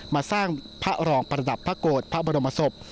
มาสร้างพระรองประดับพระโกรธพระบรมศพ